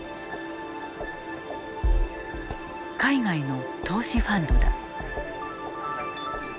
海外の投資ファンドだ。